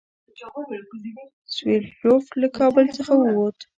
سټولیټوف له کابل څخه ووت.